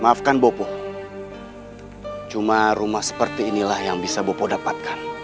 maafkan bopo cuma rumah seperti inilah yang bisa bopo dapatkan